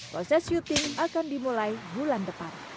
proses syuting akan dimulai bulan depan